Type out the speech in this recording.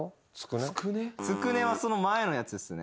つくねはその前のやつですね。